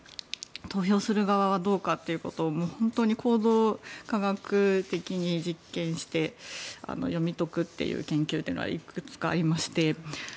投票する側はどうするかを本当に行動科学的に実験して読み解くという研究というのはいくつかありまして。